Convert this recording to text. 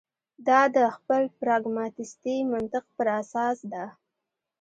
دا د خپل پراګماتیستي منطق پر اساس ده.